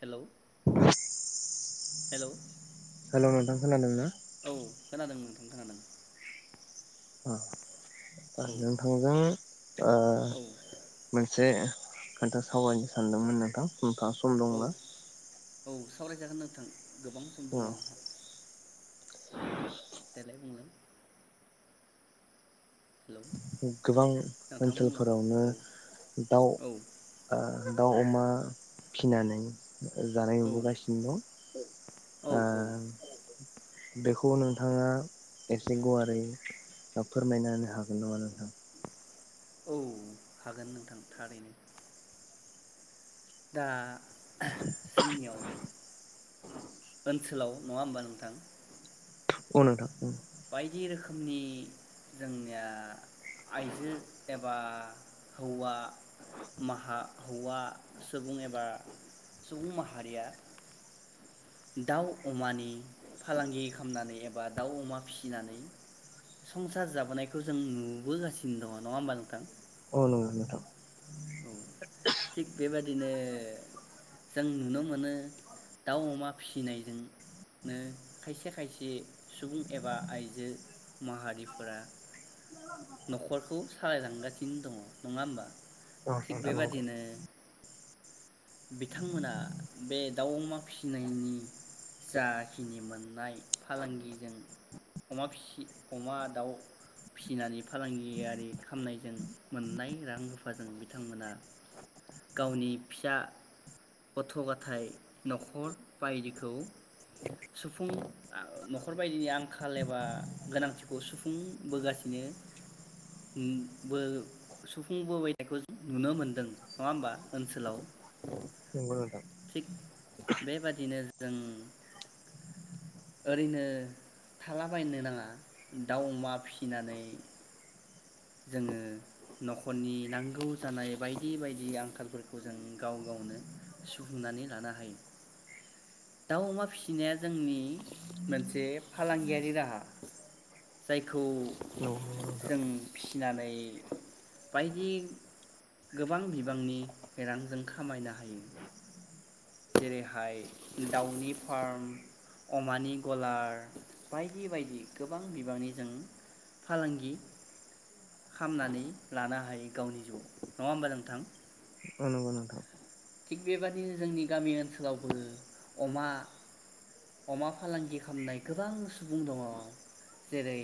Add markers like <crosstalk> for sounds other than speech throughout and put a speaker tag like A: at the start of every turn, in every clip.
A: Hello. Hello.
B: Hello नोंथां खोनादों ना?
A: ओं खोनादों
B: औ नोंथांजों ओ
A: औ
B: मोनसे खोन्था सावरायनो सानदोंमोन नोंथां। नोंथाङा सम
A: औ
B: दंना?
A: औ सावरायजागोन नोंथां। गोबां सम दङ आंहा। औ देलाय बुंलाय हेलौ
B: गोबां
A: नोंथां बुंलाय
B: ओनसोलफोरावनो
A: औ
B: दाउ
A: औ
B: ओ दाउ अमा फिसिनानै जानाय
A: औ
B: नुबोगासिनो
A: औ
B: दं आ
A: औ
B: बेखौ नोंथाङा एसे गुवारै फोरमायना होनो हागोन नामा नों? थां
A: औ हागोन नोंथां थारैनो दा जोंनियाव ओनसोलाव नङा होमबा नोंथां?
B: औ नोंथां औ
A: बायदि रोखोमनि जोंनिया आइजो एबा हौवा माहा हौवा सुबुं एबा सुबुं माहारिया दाउ अमानि फालांगि खामनानै एबा दाउ अमा फिसिनानै संसार जाबोनायखौ जों नुबोगासिनो दङ नङा होमबा नोंथां?
B: औ नंगौ नोंथां
A: औ थिग बेबादिनो जों नुनो मोनो दाउ अमा फिसिनायजों नो खायसे खायसे सुबुं एबा आइजो माहारिफोरा नखरखौ सालायलांगासिनो दङ नङा होमबा?
B: औ
A: थिग
B: नोंथां नंगौ
A: बेबादिनो बिथांमोना बे दाउ अमा फिसिनायनि जाखिनि मोननाय फालांगिजों अमा फिसि अमा दाउ फिसिनानै फालांगियारि खामनायजों मोननाय रां रुफाजों बिथांमोना गावनि फिसा गथ गाथाय नखर बायदिखौ सुफुं आ अ नखर बायदिनि आंखाल एबा गोनांथिखौ सुफुंबोगासिनो ओम बो सुफुंबोबाय थानायखौ नुनो मोनदों नङा होमबा ओनसोलाव। <inaudible>
B: नंगौ नोंथां।
A: थिग बेबादिनो जों ओरैनो थालाबायनो नाङा दाउ अमा फिसिनानै जोङो नखरनि नांगौ जानाय बायदि बायदि आंखालफोरखौ जों गाव गावनो सुफुंनानै लानो हायो। दाउ अमा फिसिनाया जोंनि मोनसे फालांगियारि राहा जाय
B: औ नंगौ नोंथां
A: फिसिनानै बायदि गोबां बिबांनि रां जों खामायनो हायो। जेरैहाय दाउनि फार्म, अमानि गलार बायदि बायदि गोबां बिबांनि जों फालांगि खामनानै लानो हायो गावनि जिउआव। नङा होमबा नोंथां?
B: औ नोंगौ नोंथां
A: थिग बेबादिनो जोंनि गामि ओनसोलावबो अमा अमा फालांगि खामनाय गोबां सुबुं दङ। जेरै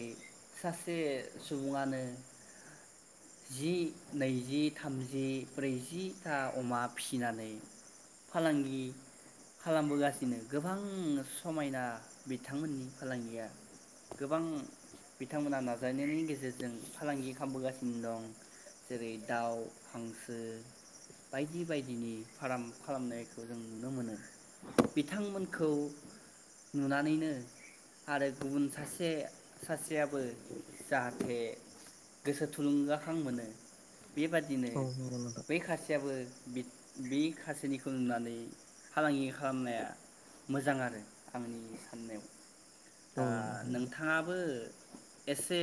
A: सासे सुबुङानो जि, नैजि, थामजि, ब्रैजि था, अमा फिसिनानै फालांगि खालामबोगासिनो गोबां समायना बिथांमोननि फालांगिया गोबां बिथांमोना नाजानायनायनि गेजेरजों फालांगि खामबोगासिनो दं जेरै दाउ हांसो बायदि बाय दिनि फाराम खालामनायखौ जों नुनो मोनो। बिथांमोनखौ नुनानैनो आरो गुबुन सासे सासेयाबो जाहाथे गोसो थुलुंगाखां मोनो बेबादिनो
B: औ नंगौ नोंथां औ नंगौ नोंथां
A: बै खा जेबो बिद बि खासेनिखौ नुनानै फालांगि खालामनाया मोजां आरो आंनि साननायाव। दा
B: औ नंगौ
A: नोंथांङाबो एसे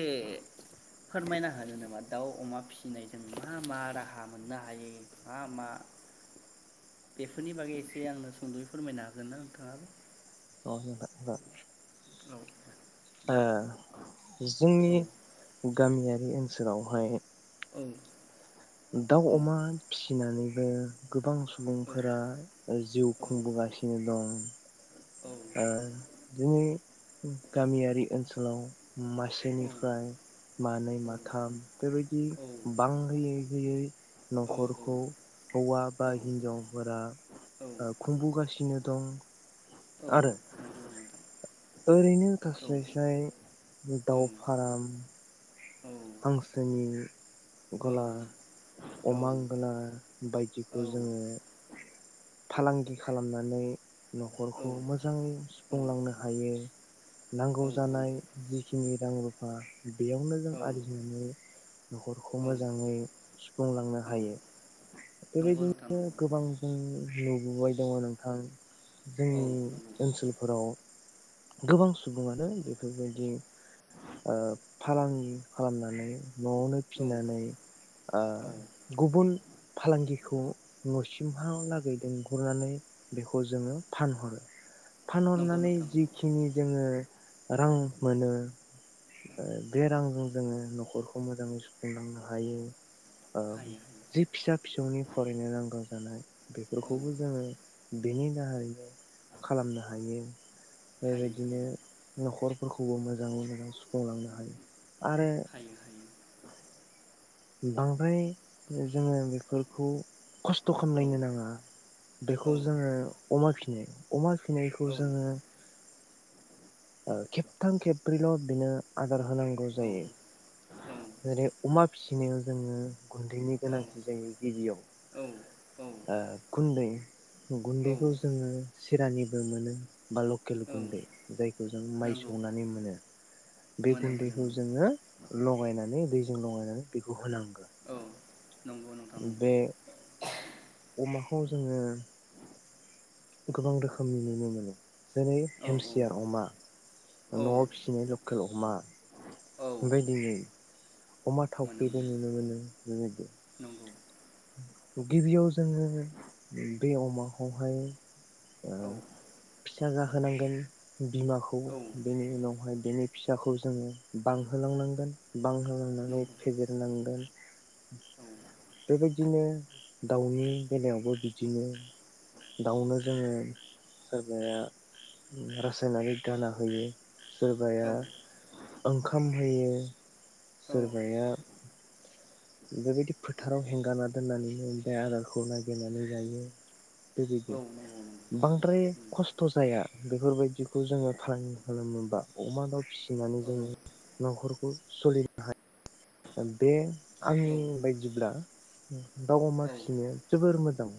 A: फोरमायना होनो नामा दाउ अमा फिसिनायजों मा मा राहा मोननो हायो मा मा बेफोरनि बागै एसे आंनो सुंदयै फोरमायनो हागोन ना नोंथांङाबो?
B: अ <unintelligible> जागोन
A: औ दे
B: ओ जोंनि गामिया ओनसोलावहाय
A: औ
B: दाउ अमा फिसिनानै ओ गोबां सुबुंफोरा जिउ खुंबोगासिनो दं ओ जोंनि गामियारि ओनसोलाव मासेनिफ्राय मानै माथाम बेबायदि बांहोयो बेयै न'खरखौ हौवा बा हिन्जावफोरा ओ खुंबोगासिनो दं
A: औ
B: आरो
A: नंगौ नोंथां।
B: ओरैनो थास्लाय स्लाय दाउ फाराम हांसोनि ग'ला अमा
A: औ
B: गला बायदिखौ जोङो फालांगि खालामनानै न'खरखौ मोजांङै सुफुंलांनो हायो नांगौ जानाय जिखिनि रां रुफा बेयाव आरजिनानै न'खरखौ मोजाङै सुफुंलांनो हायो
A: नंगौ नोंथां
B: बेबायदिनो गोबां जों नुबोबाय दङ नोंथां
A: औ
B: जोंनि ओनसोलफोराव गोबां सुबुङानो बेफोरबायदि ओ फालां खालामनानै न'आवनो
A: औ
B: फिनानै ओ
A: औ नंगौ नोंथां नंगौ औ नंगौ औ
B: गुबुन फालांगिखौ न'सिमहालागै लिंहरनानै बेखौ जोंङो फानहरो।
A: नंगौ
B: फानहरनानै
A: नोंथां नंगौ
B: जिखिनि जोङो रां मोनो ओ बे रांजों जोंङो न'खरखौ मोजाङै सुफुंलांनो हायो ओ
A: हायो हायो
B: जि फिसा फिसौनि फरायनो नांगौ जानाय
A: औ
B: बेफोरखौबो जोङो बेनि दाहारैनो खालामनो हायो
A: हायो
B: बेबायदिनो
A: हायो
B: नखर फोरखौबो मोजाङै मोजां सुफुंलांनो हायो आरो
A: हायो हायो।
B: बांद्राय जोङो बेफोरखौ खस्थ स्थ'
A: औ
B: खालामलायनो नाङा
A: औ
B: बेखौ जोङो अमा फिसिनाय अमा फि फिनायखौ
A: औ
B: जोङो ओ खेबथाम खेब्रैल बिनो आदार होनांगौ
A: औ
B: जायो। जेरै अमा फिसिनायाव जोङो गुन्दैनि
A: औ
B: गोनांथि जायो गिबियाव
A: औ औ
B: ओ गुन्दै
A: औ
B: गुन्दैखौ जोङो सिरानि बो मोनो बा लकेल
A: औ
B: गुन्दै जाय माइ
A: नंगौ
B: सौनानै मोनो बे
A: मोनो मोनो
B: गुन्दैखौ
A: मोनो
B: जोङो ल गायनानै दैजों लगायनानै बेखौ होनांगोन।
A: औ नंगौ नोंथां नंगौ।
B: अमाखौ जोङो गोबां रोखोमनि नुनो मोनो जेरै
A: औ
B: हेमसिया अमा
A: औ
B: न'आव फिसिनाय लकेल अमा
A: औ
B: बेबायदिनो अमा थावख्रिबो नुनो मोनो बेबायदि
A: नंगौ
B: गिबियाव जोङो बे अमाखौहाय ओ
A: औ
B: फिसा जाहोनांगोन बिमाखौ
A: औ
B: बेनि उनावहाय बिनि फिसाखौ जोङो बांहोलांनांगोन बांहोलांनानै
A: नंगौ
B: फेदेरनांगोन
A: औ
B: बिदिनो दाउनि बेलायावबो बिदिनो दाउनो जोङो सोरबाया रासायनारिक दाना होयो। सोरबाया
A: औ
B: ओंखाम होयो
A: औ
B: सोरबाया <inaudible> बेबायदि फोथाराव हेंगारना दोननानैनो ओमफाय आदारखौ नागिरनानै जायो। बुजिदो
A: नंगौ नंगौ
B: बांद्राय खस्थजाया बेफोरबायदिखौ जोङो फालांगि खालामोबा अमा दाउ फिसिनानै
A: औ
B: जोङो नखरखौ सलिनो हायो बे आंनि
A: औ
B: बायदिब्ला उम दाव अमा
A: औ
B: फिसिनाया जोबोर मोज औ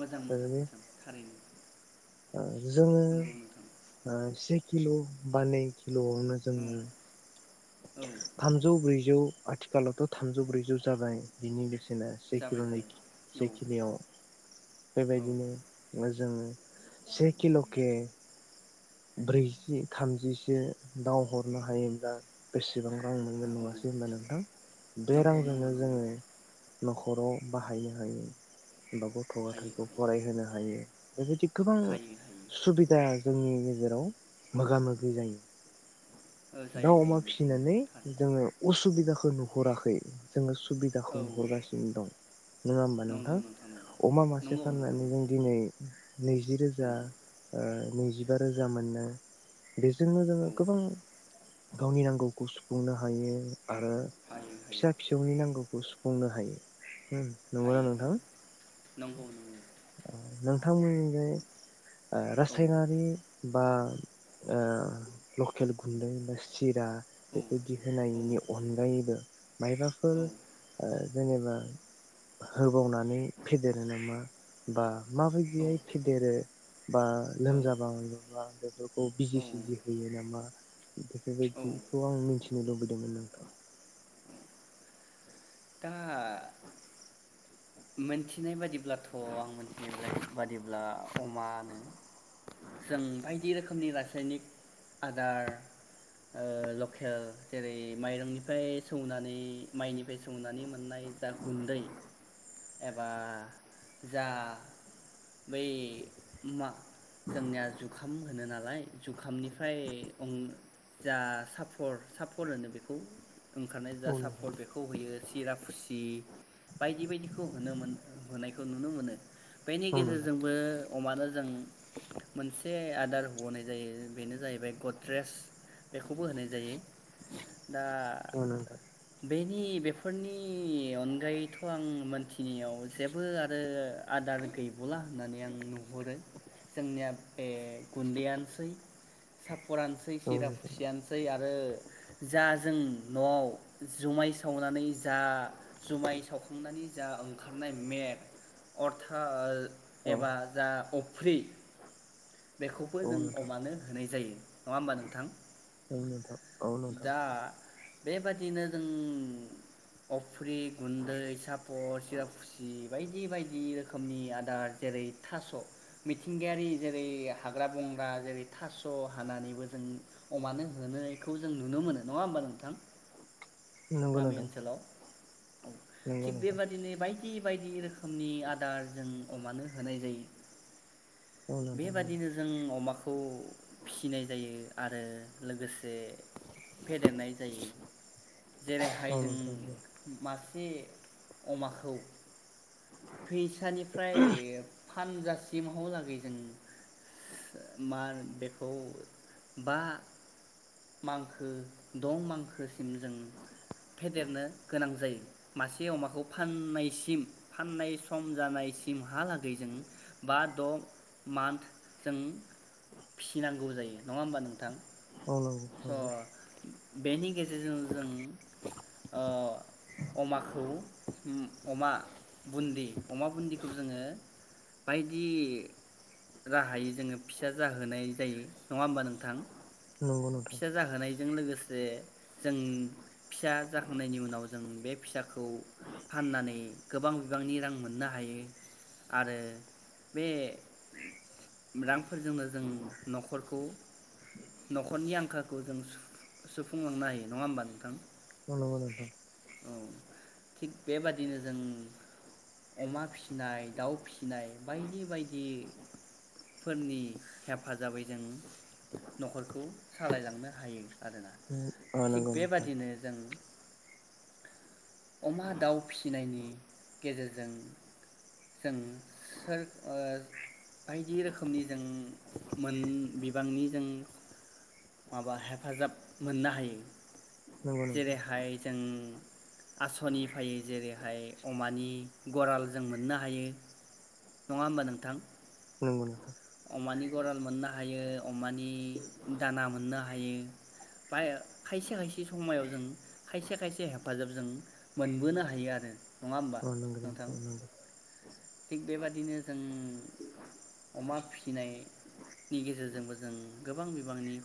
A: मोजां मोजां थारैनो
B: ओं जोङो
A: नंगौ नोंथां
B: ओ से किल बा नै कि लआवनो
A: औ
B: जोङो
A: औ
B: थामजौ ब्रै जौ आथिखालावथ थामजौ ब्रैजौ जाबाय बिनि बेसे बेसेना से किल
A: जाबाय
B: नै कि
A: जाबाय औ
B: बेखिनियाव
A: औ
B: बेबायदिनो मोज जोङो से किल के ब्रैजि थामजिसो दाव हरनो हायोब्ला बेसेबां रां
A: हा
B: मोनगोन
A: औ
B: नङासै होनबा नोंथां बे
A: नंगौ
B: रांजोंनो
A: नंगौ
B: जोङो
A: नंगौ
B: न'खराव बाहायनो हायो उमबाब ग अ आ
A: हायो
B: थाखो
A: हायो
B: फरायहोनो हायो। बेहे थिक गोबां
A: हायो हायो
B: सुबिदा जोंनि गेज जेराव मोगा मोगि जायो।
A: जायो
B: दाउ,
A: जायो
B: अमा
A: नोंथां
B: फिसिनानै
A: थारैनो
B: जोङो उसुबिदाख खौ नुहराखै जोङो सु
A: औ
B: सुबिदाखौ नुहरगासिनो दं नङा होमबा नोंथां अमा मासे
A: नंगौ नंगौ नोंथां
B: फाननानै जों
A: नंगौ
B: दिनै नैजि रोजा
A: औ
B: ओ नैजिबा द रोजा मोननो बेज बे जोंनो जोङो
A: औ
B: गोबां गावनि नांगौखौ सुफुंनो हायो आरो
A: हायो हायो
B: फिसा फिसौनि नांगौखौ बुंनो हायो ओम नंगौना
A: हायो
B: नोंथां?
A: हायो नंगौ नंगौ
B: ओ नों थांमोननि बे ओ
A: औ
B: रासायनारि बा ओ लकेल गुन्दै बा सिरा
A: औ
B: बेबायदि
A: औ
B: होनायनि अनगायैबो मायबाफोर ओ जेनेबा होबावनानै फेदेरो नामा बा
A: औ
B: माबायदिहाय फेदेरो बा
A: औ
B: लोमजाबा बा बेफोरखौ
A: औ
B: बिजि सिजि होयो ना नामा
A: औ
B: बेफोरबायदिखौ आं मिथि नो लुबैदोंमोन नोंथां
A: दा
B: <unintelligible>
A: मोनथिनाय बादि ब्लाथ' आं मोनथिनाय बादिब्ला अमानो जों बायदि रोखोम खोमनि रासायनिक आदार ओ लकेल जेरै- माइरंनिफ्राय सौनानै माइनिफ्राय सौ सौनानै मोननाय जा गुन्दै एबा जा बै मा जोंनिया जुखाम होनो नालाय जुखामनिफ्राय ओं जा साफर साफर होनो बेखौ ओंखारनाय जा
B: औ नोंथां
A: सापर्ट बेखौ होयो। थिराफुसि बायदि बायदिखौ होनो मोन होनायखौ नुनो मोनो। बेनि
B: औ नोंथां
A: गेजेरजोंबो अमानो जों मोनसे आदार हनाय जायो बेनो जाहैबाय गद्रेस बेखौबो होनाय जायो। दा
B: औ नोंथां
A: बे नि बे फोरनि अनगायैथ' आं मोनथिनायाव जेबो आरो आदार गैबावला होननानै आं नुहुरो जोंनिया बे गुन्दैयानोसै साब फरानोसै
B: औ
A: सिरा
B: नोंथां
A: खुसियानोसै आरो आरो जा जों न'आव जुमाय सावनानै जा जुमाय सावखांनानै जा ओंखारनाय मेप। अर्था।
B: औ
A: एबा जा। फ्रि। बेखौबो
B: औ
A: जों
B: नोंथां
A: अमानो होनाय जायो नङा होमबा नोंथां।
B: औ नोंथां औ नोंथां।
A: दा बेबादिनो जों अफ्रि गुन्दै सापर सिरापुसि बायदि बायदि रोखोमनि आदार जेरै थास मिथिंगायारि जेरै हाग्रा बंग्रा जेरै थास हानानैबो जों अमानो होनो। खौ जों नुनो मोनो नङा होमबा नोंथां।
B: नंगौ
A: गामि
B: नोंथां
A: ओनसोलाव औ
B: नंगौ
A: थिग
B: नोंथां
A: बेबादिनो बायदि बायदि रोखोमनि आदार जों। अमानो होनाय जायो।
B: औ नोंथां
A: बेबादिनो
B: औ
A: जों अमाखौ फिसिनाय जायो। आरो लोगोसे। फेदेरनाय जायो जेरैहाय
B: औ
A: जों
B: नोंथां
A: मास। बे अमाखौ। फैसानिफ्राय फानजा टिमावलागै जों मा बेखौ बा। मांखो दं मांखो। सिम जों फेदेरनो गोनां जायो। मासे अमाखौ फाननायसिम फाननाय सम जानायसिम हा लागै दैजों बा। द मान्थ जों फिसिनांगौ जायो नङा होमबा नोंथां
B: औ नंगौ
A: स बेनि गेजेरजों जों। ओ अमाखौ। अमा बुन्दि अमा बुन्दिखौ जोङो बायदि राहायै जोङो फिसा जाहोनाय जायो। नङा होमबा नोंथां।
B: नंगौ नंगौ नोंथां
A: फिसा जाहोनाय। जों लोगोसे जों। फिसा जाखांनायनि उनाव जों बे। फिसाखौ फाननानै गोबां बिबांनि रां मोननो हायो आरो बे रांफोरजोंनो जों न'खरखौ नख'रनि आंखालखौ जों सुफुंलांनो हायो नङा होमबा नोंथां?
B: नंगौ नोंथां।
A: औ थिग बेबादिनो जों अमा फि नाय दाउ फिसिनाय बायदि बायदि। फोरनि हेफाजाबै जों नखरखौ सालायलांनो हायो। आरोना थिग
B: नंगौ नोंथां
A: बेबादिनो जों अमा दाउ फिसिनायनि गेजेरजों जों सोर ओ बायदि रोखोमनि जों मोन बिबांनि जों माबा हेफाजाब मोननो हायो।
B: नंगौ नोंथां
A: जेरैहाय जों आसनि फायो जेरैहाय अमानि गराल जों मोननो हायो। नङा होमबा नोंथां?
B: नोंगौ नों थां।
A: अमानि गराल मोननो हायो अमानि दाना मोननो हाय। हायो। बाय खायसे खायसे समायाव जों खायसे खायसे हेफाजाब ज जों मोनबोनो हायो आरो नङा होमबा
B: नंगौ
A: नोंथां
B: नंगौ
A: थिग बेबादिनो जों अमा फिसिनायनि गेजेरजोंबो जों गोबां बिबांनि